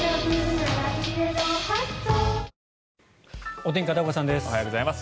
お天気、片岡さんです。